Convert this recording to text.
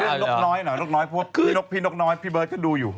เอาเรื่องนกน้อยหน่อยนกน้อยพี่นกน้อยพี่เบิ้ดจะดูอยู่